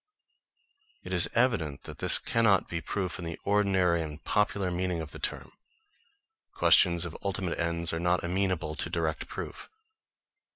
It is evident that this cannot be proof in the ordinary and popular meaning of the term. Questions of ultimate ends are not amenable to direct proof.